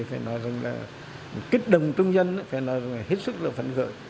phải nói rằng là kích đồng trung dân phải nói rằng là hết sức là phấn khởi